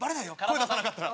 声出さなかったら。